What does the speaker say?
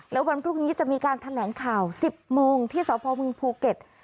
แล้ววันพรุ่งนี้จะมีการแถลงข่าว๑๐โมงที่สพมภูเก็ต